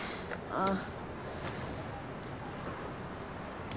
ああ。